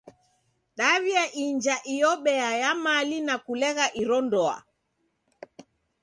Daw'iainja iyo bea ya mali na kulegha iro ndoa.